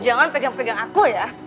jangan pegang pegang aku ya